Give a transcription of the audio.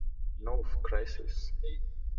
Nuff Crisis!